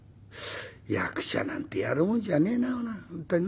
役者なんてやるもんじゃねえな本当にな。